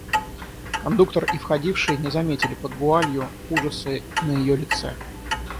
Кондуктор и входившие не заметили под вуалью ужаса на ее лице.